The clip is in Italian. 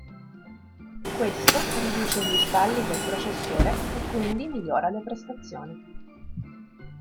Questo riduce gli stalli del processore e quindi migliora le prestazioni.